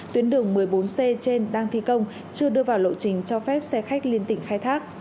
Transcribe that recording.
tuyến đường một mươi bốn c trên đang thi công chưa đưa vào lộ trình cho phép xe khách liên tỉnh khai thác